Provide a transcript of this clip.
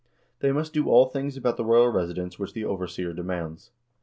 They must do all things about the royal resi dence which the overseer demands."